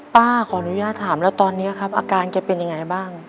ป้าขออนุญาตถามแล้วตอนนี้ครับอาการแกเป็นยังไงบ้าง